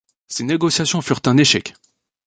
Ces négociations furent un échec.